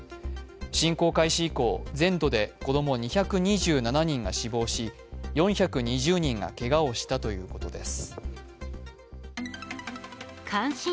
侵攻開始以降、全土で子供２２７人が死亡し、４２０人がけがをしたということです